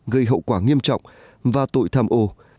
gây hậu quả nghiêm trọng và tội tham ô